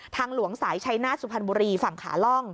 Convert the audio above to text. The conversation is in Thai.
หลวงสายชัยหน้าสุพรรณบุรีฝั่งขาล่อง